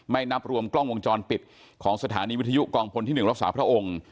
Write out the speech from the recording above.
นับรวมกล้องวงจรปิดของสถานีวิทยุกองพลที่๑รักษาพระองค์